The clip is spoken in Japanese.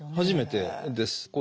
初めてです。